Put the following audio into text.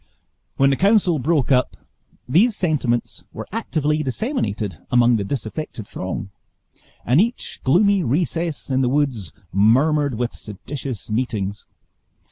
When the council broke up, these sentiments were actively disseminated among the disaffected throng; and each gloomy recess in the woods murmured with seditious meetings.